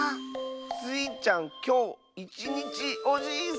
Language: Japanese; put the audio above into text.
スイちゃんきょういちにちおじいさんなんだ！